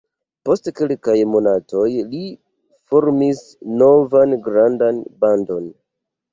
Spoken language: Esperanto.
Post kelkaj monatoj li formis novan grandan bandon.